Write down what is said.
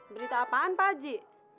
berita apaan pak haji